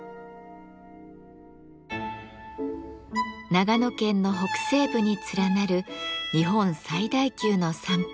長野県の北西部に連なる日本最大級の山塊北アルプス。